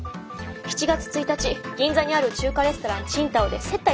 ７月１日銀座にある中華レストラン青島で接待されましたね？